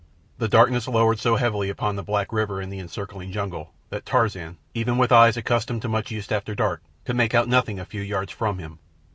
The darkness lowered so heavily upon the black river and the encircling jungle that Tarzan, even with eyes accustomed to much use after dark, could make out nothing a few yards from him.